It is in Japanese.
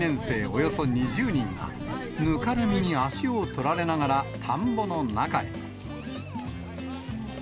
およそ２０人が、ぬかるみに足を取られながら田んぼの中へ。